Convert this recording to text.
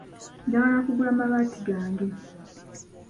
Njagala kugula mabaati gange.